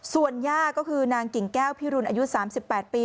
ส่วนย่าก็คือนางกิ่งแก้วพิรุณอายุ๓๘ปี